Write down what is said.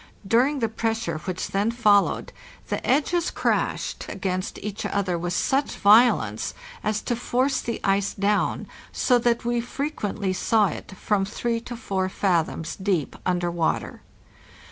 During the pressure which then followed, the edges crashed against each other with such violence as to force the ice down, so that we frequently saw it from 3 to 4 fathoms deep under water.